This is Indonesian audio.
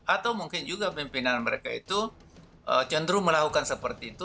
atau mungkin juga pimpinan mereka itu cenderung melakukan seperti itu